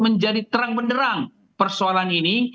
menjadi terang benderang persoalan ini